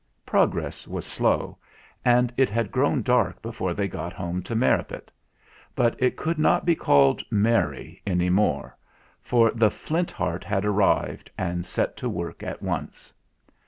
Progress was slow, and it had grown dark before they got home to Merripit; but it could not be called "Merry" any more, for the Flint Heart had arrived and set to work at once.